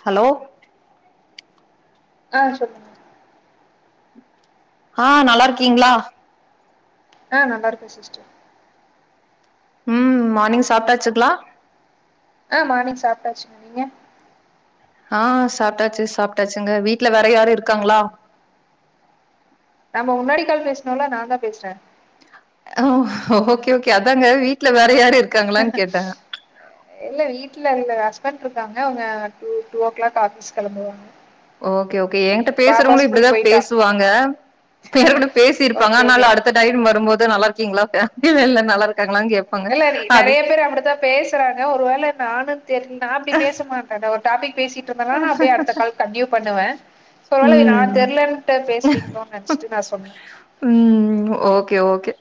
Hello ஆ சொப் ஆ நல்லா இருக்கீங்ளா ஆ நல்லார்க்கே சிஸ்டர் ம் மார்னிங் சாப்ட்டாச்சுங்ளா ஆ மார்னிங் சாப்பிட்டாச்சுங்க நீங்க ஆ சாப்டாச்சு சாப்டாச்சுங்க வீட்ல வேற யாரு இருக்காங்ளா நம்ம முன்னாடிக் கால் பேச்னோல நாந்தா பேச்ற ஓகே ஓகே அதாங்க வீட்ல வேற யாரு இருக் ஹாஹ இல்ல வீட்ல இல்ல ஹஸ்பண்ட்ருக்காங்க அவுங்க two two o'clock office கிளம்புவாங் ஓகே ஓகே ஏங்கிட்ட பேசுறவுங்களு இப்டிதா போயிட்டா பேசுவாங்க பேரு கூட பேசிர்ப்பாங்க ஓகே ஓகே அதனால அடுத் அந்த டைம் வரும்போது நல்லார்க்கீங்ளா இல்லல்ல நல்லா இருக்காங்ளான் கேப் தெர்ல எனிக் நெறைய பேர் அப்டித்தா பேசுறாங்க ஒரு வேள நானு தெர் நா அப்டி பேச மாட்டேங்க ஒர் டாபிக் பேசிட்ருந்தனா நா அப்டியே அடுத்த கால் கண்டியூ பண்ணுவே சொர்வேள நா ம் தெர்லன்டு பேசுறீங்ளோன் நெனச்சிட்டு நா சொன்னே ம் ஓகே ஓகே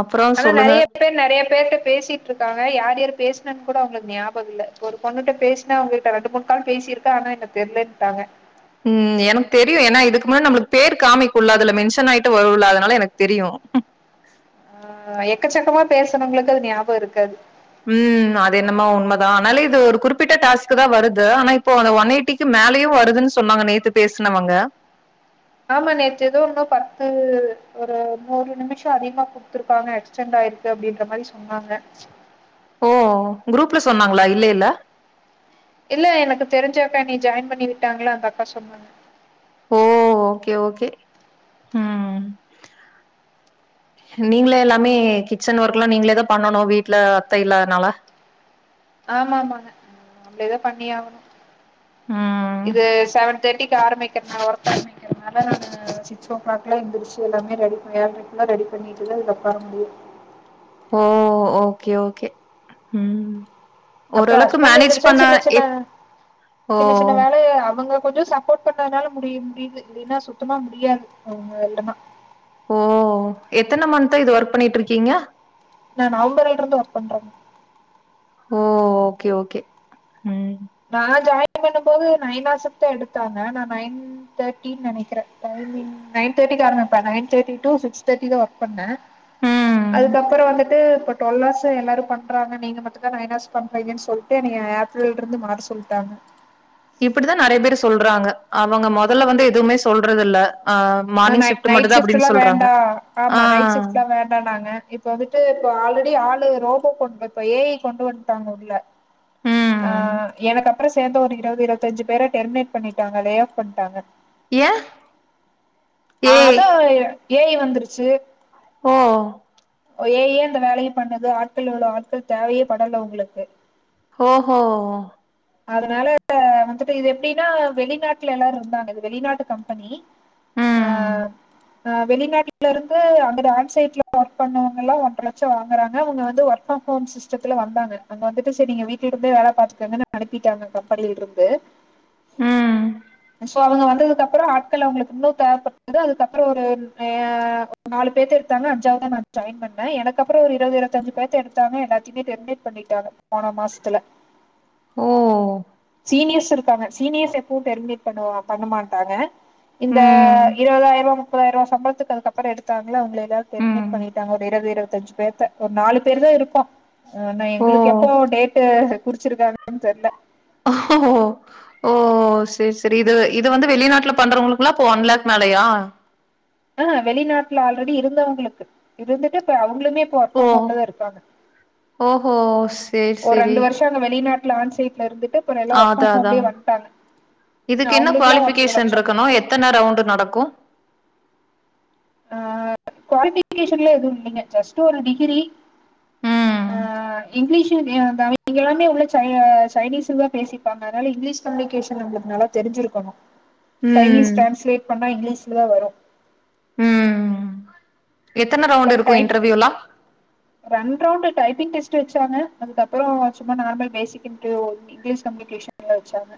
அப்றோ ஆனா சொல்லுங்க நறிய பே பேர் நறைய பேர்ட பேசிட்ருக்காங்க யார் யாரு பேசுனன் கூட அவுங்ளுக் ஞாபகம் இல்ல இப்ப ஒரு பொண்ணுட்ட பேச் நா அவுங்ககிட்ட ரெண்டு மூண் கால் பேசியிருக்கா ஆனா என்ன தெர்லன்ட்டாங்க ம் எனக் தெரியு ஏனா இதுக்கு முன்னே நம்புளுக்கு பேர் காமிக்குல அதுல மென்ஷன் ஆயிட்டு வருல அதனால எனக் தெரியு ஆ எக்கச்சக்கமா பேசுனவுங்களுக்கு அது ஞாபகம் இருக்காது ம் அது என்னமோ உண்மதா ஆனாலு இது ஒரு குறிப்பிட்ட டாஸ்கு தா வருது ஆனா இப்போ அந்த ஒன் எயிட்டி மேலயு வருதுன் சொன்னாங்க நேத்து பேச்னவங்க ஆமா நேற்று ஏதோ இன்னு பத்து ஒரு நூறு நிமிஷோ அதிகமா குத்துருப்பாங்க எக்ஸ்டெண்ட் ஆயிருக்கு அப்டின்ற மாரி சொன்னாங்க ஓ குரூப்ல சொன்னாங்ளா இல்லேல்ல இல்ல எனக்கு தெரிஞ்ச அக்கா என்னய ஜாயின் பண்ணி விட்டாங்ளா அந்த அக்கா சொன்னாங்க ஓ ஓகே ஓகே ம் நீங்ளே எல்லாமே கிச்சன் ஒர்க்லா நீங்ளே தா பண்ணனு வீட்ல அத்தை இல்லாத்னால ஆமாமாங்க நம்ளேதா பண்ணியாகணு ம். இது செவன் தேர்ட்டிக் க ஆரம்பிக்கர் நா ஒர்க் ஆரம்பிக்கரனால நானு சிக்ஸ் ஓக் கிளாக்லா எந்திரிச்சி எல்லாமே ரெடி பய ஏழ்ரைக் ஃபுல்லா ரெடி பண்ணிட்டுதா இதுல ஒக்கார முடியு ஓ ஓகே ஓகே ம் அப்றோ ஓரளவுக்கு ஹஸ்பண்ட்டு மேனேஜ் எந்திரிச்சா பண்ண சின்ன சின்ன எத் ஓ! சின்ன சின்ன வேலைய அவங்க கொஞ்சோ சப்போர்ட் பண்ணதுனால முடியு முடிது இல்லினா சுத்தமா முடியாது அவுங்க இல்லனா ஓ எத்தன மன்த்தா இது ஒர்க் பண்ணிட்ருக்கீங்க நா நவும்பர்ல்ருந்து ஒர்க் பண்றேங்க ஓ ஓகே ஓகே ம் நா ஜாயின் பண்ணம்போது நைனாசத்தா எடுத்தாங்க நா நைன் நைன் தேர்ட்டின் நெனைக்றே டைமிங் நைன் தேர்டிக்கு ஆரமிப்பா நைன் தேர்ட்டி டு சிக்ஸ் தேர்ட்டிதா ஒர்க் பண்ணே ம். அதுக்கப்பறோ வந்துட்டு பொட் டுவல் ஹார்ஸ எல்லாரும் பண்றாங்க நீங்க மட்டுந்தா நைன் ஹார்ஸ் பண்றீங்கன் சொல்ட்டு எனைய ஆப்ரல்ருந்து மாத் சொல்ட்டாங்க இப்புடிதா நெறைய பேரு சொல்றாங்க அவங்க மொதல்ல வந்து எதுவுமே சொல்றது இல்ல ஆ ஆ மார்னிங் நை ஷிஃப்ட் மட்டும் நைட் தான் அப்படின்னு ஷிஃப்டுலா சொல்றாங்க. வேண்டா ஆ. ஆமா நைட் ஷிஃப்ட்லா வேண் டானாங்க இப்ப வந்துட்டு இப்ப ஆல்ரெடி ஆளு ரோபோ கொண்போ இப்ப ஏ ஐ கொண்டு வன்ட்டாங்க உள்ள அ ம். எனக்கப்பறோ சேந்த ஒரு இருவது இருவத்தஞ்சி பேர டெர்மினேட் பண்ணிட்டாங்க லே ஆஃப் பண்ட்டாங்க ஏ ஆ அதா ஏ ஐ வந்துருச்சு ஓ ஏ ஐ அந்த வேலயப் பண்ணுது ஆட்களுல ஆட்கள் தேவையேப் படல உங்ளுக்கு ஓஹோ அதனால வந்துட்டு இது எப்டினா வெளிநாட்ல எல்லாருந்தாங்க இது வெளிநாட்டு கம்பெனி ஆ ம். ஆ வெளிநாட்லருந்து அங்கத ஆன் சைட்ல ஒர்க் பண்ணவங்கல்லா ஒன்ற லட்சோ வாங்கறாங்க அவுங்க வந்து ஒர்க் ஃப்ரம் ஹோம்ஸ் இஷ்டத்துல வந்தாங்க அங்க வந்துட்டு செரி நீங்க வீட்லருந்தே வேல பாத்துக்கங்கனு அனுப்பிட்டாங்க கம்பெனில்ருந்து ம். சோ அவுங்க வந்ததுக்கப்பறோ ஆட் கள் அவுங்ளுக்கு இன்னு தேவப்பட்டது அதுக்கப்பறோ ஒரு ன் எ ஆ ஒரு நாலு பேத்த எடுத்தாங்க அஞ்சாவதா நான் ஜாயின் பண்ணே எனக்கப்பறோ ஒரு இருவது இருவத்தஞ்சிப் பேத்த எடுத்தாங்க எல்லாத்தியுமே டெர்மினேட் பண்ணிட்டாங்க போன மாச்த்துல ஓ ஓ சீனியர்ஸ் இருக்காங்க சீனியர்ஸ் எப்போவும் டெர்மினேட் பண்ணுவோ பண்ண மாட்டாங்க இந்த ம். இருவதாயிரவா முப்பதாயிரவா சம்பளத்துக்கு அதுக்கப்பறோ எடுத்தாங்கள உங்ளே எலாவ் ம். டெர்மினேட் பண்ணிட்டாங்க ஒரு இருவது இருவத்தஞ்சி பேத்த ஒரு நாலு பேருதா இருக்கோ அ இன்னு ஓ! எங்குளுக்கு எப்போ டேட்டு குறிச்சிருக்காங்கன் தெர்ல ஓ ஓ செரி செரி இது இது வந்து வெளிநாட்லப் பண்றவுங்களுக்குலா இப்ப ஒன் லக் மேலயா ஆ வெளிநாட்ல ஆல்ரெடி இருந்தவுங்ளுக்கு இருந்துட்டு இப்ப அவுங்ளுமேப் இப்ப ஒர்க் ஓ! ஃப்ரம் ஹோம்லதா இருக்காங்க ஓஹோ! சரி, ஒரு சரி. ரெண்டு வர்ஷ் த அந்த வெளிநாட்ல ஆன்சைட்ல இருந்துட்டுப் ஆத அதா இதுக்கு என்ன அவங்களுக்குல்லா ஒன்ற குவாலிபிகேஷன் லட்சோ ருக்கனு எத் த்தன ரவுண்டு நடக்கு ஆ குவாலிபிகேஷன்லா எதுவு இல்லிங்க ஜஸ்ட்டு ஒரு டிகிரி ஆ ம் இங்கிலீஷு அ தமி இங்க எல்லாமே உள்ள சைய சைனீஸ்லதாப் பேசிப்பாங்க அதனால இங்கிலீஷ் கம்யூனிகேஷன் நம்மளுக்கு நல்லா தெரிஞ்சிருக்கணு சைனீஸ் ம் டிரான்ஸ்லேட் பண்ணா இங்லீஷ்ல தா வரு ம் எத்தன ரவுண்ட் இருக்கு இன்டர்வியூலா ரெண்ட் ரவுண்ட் டைப்பிங் டெஸ்ட் வச்சாங்க அதுக்கப்பறோ சும்மா நார்மல் பேசிக்கிண்டு இங்கிலஷ் கம்யூனிகேஷன்ல வெச்சாங்க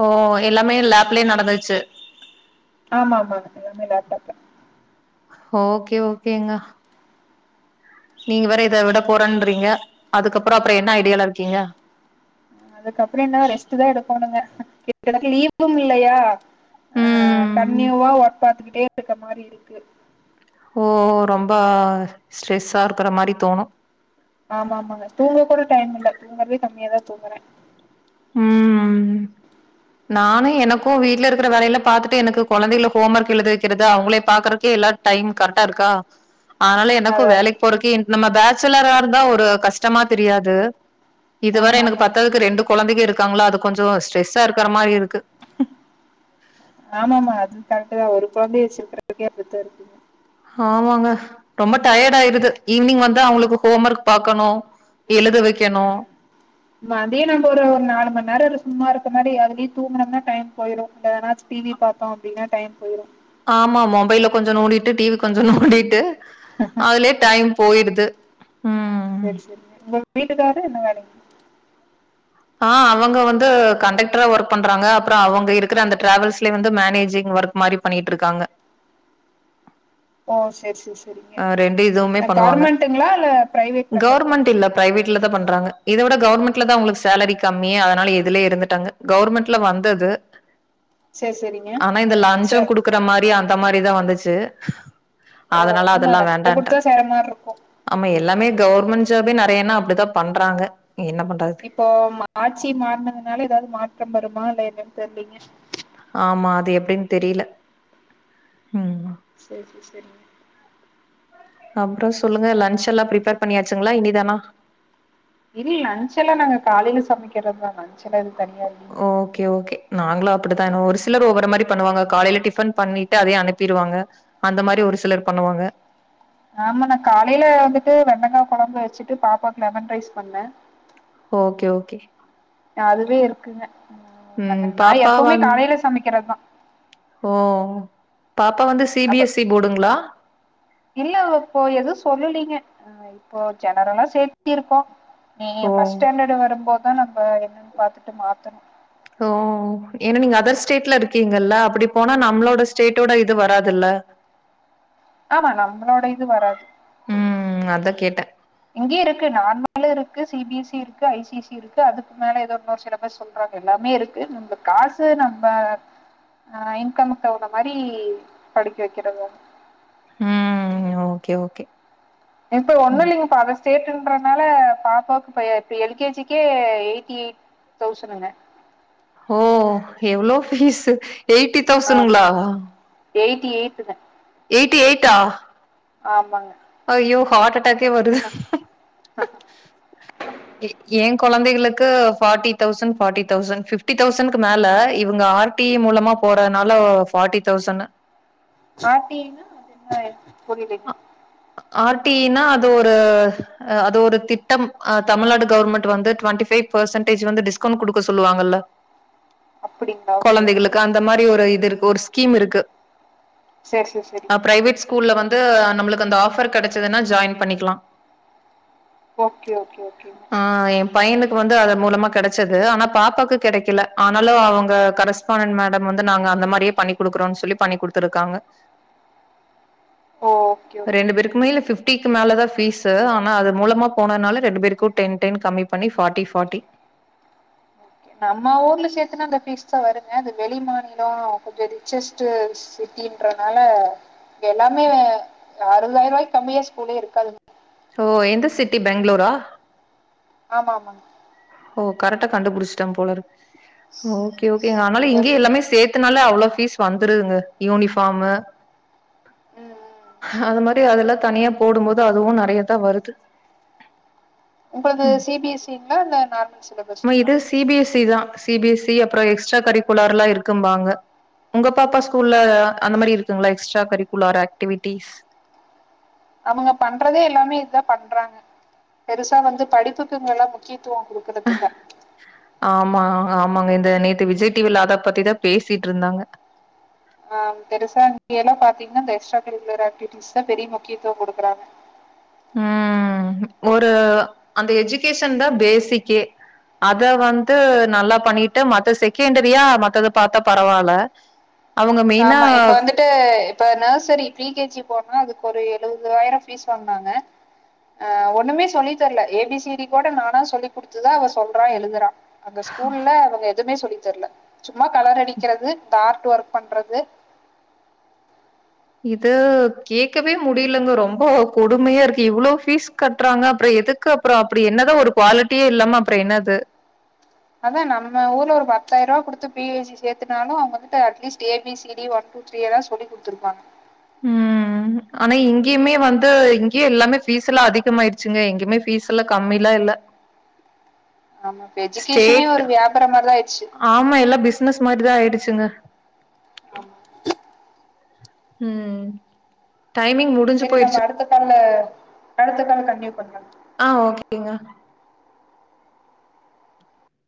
ஓ எல்லாமே லேப்லே நடந்துருச்சு ஆமா ஆமா எல்லாமே லேப்டாப்ல ஓகே ஓகேங்க நீங்க வேற இத விட போறன்றீங்க அதுக்கப்றோ அப்றம் என்ன ஐடியால இருக்கீங்க அதுக்கப்றம் என்ன ரெஸ்ட் தா எடுகோணுங்க எனக்கு லீவும் இல்லயா ஆ ம் கன்யூவா வொர்க் பாத்துக்கிட்டே இருக்க மாரி இருக்கு ஓ ரொம்ப ஸ்ட்ரெஸ்ஸா இருக்குற மாரி தோணு ஆமா ஆமாங்க தூங்க கூட டைம் இல்ல தூங்கறதே கம்மியாதா தூங்கறே ம் ம் ம் நானு எனக்கு வீட்ல இருக்குற வேலயெல்லா பாத்துட்டு எனக்கு கொழந்தைகளுக்கு ஹோம் ஒர்க் எழுத வெக்கிறது அவங்களே பாக்குறக்கே எல்லா டைம் கரெக்டா இருக்கா ஆனால எனக்கு அதா அதா வேலைக்கு போறக்கே நம்ம பேச்சுலராந்தா ஒரு கஷ்டமா தெரியாது இதுவரை ஆமா எனக்கு ஆமாங்க பத்தாததுக்கு ரெண்டு கொழந்தைங்க இருக்காங்களோ அது கொஞ்சோ ஸ்ட்ரெஸ்ஸா இருக்கிற மாரி இருக்கு ஆமாம்மா அது கரெக்ட்டுதா ஒரு கொழந்தைய வெச்சிருக்குறதுக்கே அப்டிதா இருக்கு ஆமாங்க ரொம்ப டயர்ட் ஆயிடுது ஈவினிங் வந்து அவங்களுக்கு ஹோம் ஒர்க் பாக்கணு எழுத வெக்கணு மதியோ நம்ம ஒரு நாலு மணி நேரோ சும்மா இருக்க மாரி அதுலயே தூங்கனம்னா டைம் போயிடும் அதனா டிவி பாத்தோ அப்டின்னா டைம் போயிரு ஆமா மொபைல்ல கொஞ்சோ நோண்டிட்டு டிவி கொஞ்சோ நோண்டிட்டு ம் அதுலயே டைம் போயிடுது செர் செரிங்க உங்க வீட்டுக்காரு என்ன வேலைக் ஆ அவங்க வந்து கண்டக்டரா ஒர்க் பண்றாங்க அப்புறம் அவங்க இருக்கிற அந்த டிராவல்ஸ்லயே வந்து மேனேஜிங் ஒர்க் மாரி பண்ணிகிட்டுருக்காங்க ஓ செர் செர் செ அ ரெண்டு இதுவுமே பண்ணுவாங்க இல்ல பிரைவேட் கவுர்மெண்ட் கண்டக்டருங்களா இல்லப் பிரைவேட்ல தா பண்றாங்க இதவுட கவர்மெண்ட்ல தா அவங்களுக்கு சேலரி கம்மி அதனால இதுலயே இருந்துட்டாங்க கவர்மெண்ட்ல வந்தது செரி செரிங்க ஆனா இந்த லஞ்சொ ச குடுக்குற மாரி அந் த மாரிதா வந்துச்சு ஓ அதனால ஆமா அதல்லா லஞ்ச வேண்டான்டாங்க குடுத்தா சேர மாரி இருக்கு ஆமா எல்லாமே கவர்மெண்ட் ஜாபே நெறையன்னா அப்டிதா பண்றாங்க என்ன பண்றது இப்போ ஆட்சி மாறனதுனால ஏதாவது மாற்றம் வருமா இல்ல என்னன்னு தெர்லீங்க ஆமா அது எப்டின்னு தெரியல ம் செர் செர் செரிங்க அப்றோ சொல்லுங்க லஞ்ச் எல்லா பிரிஃப்பேர் பண்ணியாச்சுங்களா இனிதானா இல்லை லஞ்செல்ல நாங்க காலையில சமைக்கிறதுதா லஞ்செல்லா எது தனியா இல்ல ஓகே ஓகே நாங்களு அப்புடித்தா ஏன்டா ஒரு சிலர் ஒவ்வோரு மாதிரி பண்ணுவாங்க காலையில டிஃபன் பண்ணிட்டு அதயே அனுப்பிருவாங்க அந்த மாதிரி ஒரு சிலர் பண்ணுவாங்க ஆமா நா காலையில வந்துட்டு வெண்டக்கா கொழம்பு வச்சுட்டு பாப்பாவுக்கு லெமன் ரைஸ் பண்ணேன் ஓகே ஓகே அதுவே இருக்குங்கங்க ம் நா பாப்பா எப்பவுமே வந் காலையில சமைக்கிறதுதா ஓ பாப்பா வந்து சி பி அப்ப எஸ் சி போர்டுங்ளா இல்ல இப்போ எதுவு சொல்லைலீங்க இப்போ ஜெனரல்லா சேர்த்தி இருக்கோ நீ ஓ ஃப்ர்ஸ்ட் ஸ்டாண்டர்ட் வரும்போதுதான நம்ம என்னனு பாத்துட்டு மாத்தனு ஓ ஏன்னா நீங்க அதர் ஸ்டேட்ல இருக்கீங்கல்ல அப்டி போனா நம்மளோட ஸ்டேடோட இது வராதுல்ல ஆமா நம்மளோட இது வராது ம் அதா கேட்ட இங்கேயு இருக்கு நார்மலு இருக்கு சி பி எஸ் சி இருக்கு ஐ சி சி இல்ல அதுக்கு மேல ஏதோ ஒன்னு சில பேர் சொல்றாங்க எல்லாமே இருக்கு நம்ம காசு நம்ம ஆ இன்கமுக்கு தகுந்த மாதிரி படிக்க வைக்கிறது ம் ஓகே ஓகே இப்ப ஒண்ணு இல்லைங்கப்பா அது சேட்டுன்றதுனால பாப்பாவுக்கு பாப்பாக்கே இப்ப எல் கே ஜி க்கே எயிட்டி எயிட் தௌசண்ணுங்க ஓ எவ்ளோ பீஸ் எயிட்டி ஆமா தௌசணுங்களா எயிட்டி எய்ட்டுங்க எயிட்டி எயிட்டா ஆமாங்க ஐயோ ஹார்ட்டாடேக்கே வருது ஏ ஏங் கொழந்தைகளுக்கு forty thousand forty thousand fifty தௌசண்ட்ங்க மேல இவங்க ஆள் டீ ஈ மூலமா போறதுனால forty thousand R T E நா அ புரியலைங்க ஆர் டி இ நா அது ஒரு அது ஒரு திட்டம் அ தமிழ்நாடு கவர்மெண்ட் வந்து டுவெண்டி பைவ் பர்சன்டேஜ் வந்து டுவெண்ட்டி ஃபைவ் பெர்ஸன்டேஜ் டிஸ்கவுண்ட் குடுக்க சொல்லுவாங்கல்ல அப்டிங்களா ஓகே ஓகே கொழந்தைகளுக்கு அந்த ஓகேங்க மாதிரி ஒரு இது இருக்கு ஒரு ஸ்கீம் இருக்கு சேரி சேரி ஆ சேரிங்க பிரைவேட் ஸ்கூல்ல வந்து நம்மளுக்கு அந்த ஆஃபர் கிடைச்சதுன்னா ஜாயின் பண்ணிக்கலா ஓகே ஓகே ஓகே ஆ என் பையனுக்கு வந்து அத மூலமா கிடைச்சது ஆனா பாப்பாக்கு கிடைக்கல ஆனாலு அவங்க கரஸ் சோணன் மேடம் வந்து நாங்க அந்த மாதிரியே பண்ணி கொடுக்குறோம்னு சொல்லி பண்ணி கொடுத்துருக்காங்க ஓ ரெண்டு பேருக்குமே இல்ல பிஃப்த் பிஃப்டிக்கு மேல தா பீசு ஆனா அது மூலமா போனதுனால ரெண்டு பேருக்கு டென் டென் கம்மி பண்ணி ஃபாட்டி ஃபாட்டி ஓகே நம்ம ஊர்ல சேர்த்தன்னா அந்த பீஸ் தா வருங்க அது வெளி மாநிலோ கொஞ்சோ ரிச்சஸ்ட் சிட்டின்றனால எல்லாமே ஆறுபதாயிரோ ரூபாக்கு கம்மியா ஸ்கூலே இருக்காது ஓ எந்த சிட்டி பேங்களூரா ஆமா ஆமாங்க ஓ கரெக்டா கண்டுபிடிச்சிட்டே போல இருக்க ஓகே ஓகேங்க ஆனாலு அஹ், இங்கயே எல்லாமே சேர்த் தனால அவ்ளோ பீஸ் வந்துதுருங்க யூனிஃபார்மு ம் ம் அது மாதிரி அதெல்லா தனியா போடும்போது அதுவு நெறைய தா வருது இப்ப இது சி பி எஸ் இ னா அ நார்மல் சில இது சி பி எஸ் சி தா சி பி எஸ் சி அப்றோ எக்ஸ்ட்ரா கரிக்குலர்ல்லா இருக்கும் பாங்க உங்க பாப்பா ஸ்கூல்ல அந்த மாரி இருக்குங்களா எக்ஸ்ட்ரா கரிக்குலர் ஆக்டிவிட்டிஸ் அவங்க பண்றதே எல்லாமே இதுதா பண்றாங்க பெருசா வந்து படிப்புக்குங்கல்லாம் முக்கியத்துவோ குடு க்கறதுல்ல ஆமா ஆமாங்க இந்த நேத்து விஜய் டி விலா அத பத்திதா பேசிட்ருந்தாங்க ஆ பெருசா இங்க எல்லா பாத்தீங்கன்னா இந்த எக்ஸ்ட்ரா கரிக்குலர் ஆக்டிவிட்டிஸ் தா பெரிய முக்கியத்துவ குடுக்குறாங்க ம் ஒரு அந்த எஜுகேஷன் தா பேசிக்கே அத வந்து நல்லா பண்ணிட்டு மத்த செகண்டரியா மத்தத பாத்தா பரவால ஆமா இப்ப வந்து ட்டு இப்ப நர்சரி ப்ரி கே ஜி போட்னுனா அதுக்கு ஒரு எழுவது ஆயிரோ ஃபீஸ் வாங்னாங்க ஆ ஒண்ணுமே சொல்லி தரல ஏ பி சி டி கூட நானா சொல்லி குடுத்துதா அவ சொல்றா எழுதுறா அந்த ஸ்கூல்ல அவங்க எதுவுமே சொல்லித்தர்ல சும்மா கலர் அடிக்கிறது இந்த ஆர்ட் ஒர்க் பண்றது இது கேக்கவே முடியலங்க ரொம்ப கொடுமையா இருக்கு இவ்ளோ ஃபீஸ் கட்றாங்க அப்புறோ எதுக்கு அப்புறோ அப்படி என்னதா ஒரு குவாலிட்டியே இல்லாம அப்புறோ என்னது அதா நம்ம ஊர்ல ஒரு பத்தாயிரூவா குடுத்து பி ஹே ஜி சேத்துனாலு அவுங்கக்கிட்ட at least A B C D one two three தா சொல்லி குடுத்துருப்பாங்க ம் ம் ஆனா இங்கேயுமே வந்து இங்கேயு எல்லாமே ஃபீஸ் எல்லா அதிகமாயிருச்சுங்க எங்குமே ஃபீஸ் எல்லாம் கம்மிலா இல்ல ஆமா இப்ப எஜிகேஷனே ஸ்டேட் ஒரு வியாபாரம் மாரிதா ஆயிச்சு ஆமா எல்லா பிசினஸ் மாரிதா ஆயிடுச்சுங்க ஆமா ம் டைமிங் மு சேரி நம்ம அடுத்த காலு அடுத்த கால் கண்டியூ பண்லா ஆ ஓகேங்க